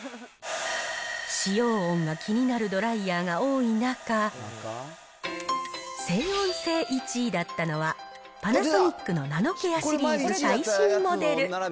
使用音が気になるドライヤーが多い中、静音性１位だったのは、パナソニックのナノケアシリーズの最新モデル。